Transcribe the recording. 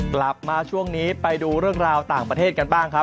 กลับมาช่วงนี้ไปดูเรื่องราวต่างประเทศกันบ้างครับ